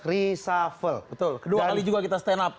reshuffle betul kedua kali juga kita stand up